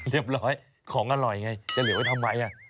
เรียบร้อยของอร่อยไงจะเหลือไว้ทำไม